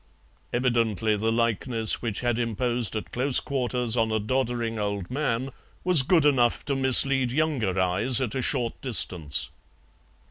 Evidently the likeness which had imposed at close quarters on a doddering old man was good enough to mislead younger eyes at a short distance.